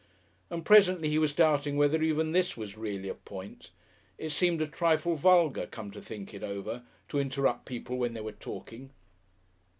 And presently he was doubting whether even this was really a point. It seemed a trifle vulgar, come to think it over, to interrupt people when they were talking.